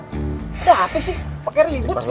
udah apa sih pakai rilis rilis doang